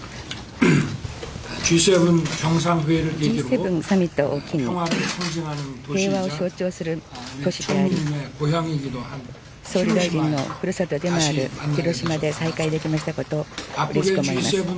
Ｇ７サミットを機に、平和を象徴する都市である総理大臣のふるさとでもある広島で再会できましたこと、うれしく思います。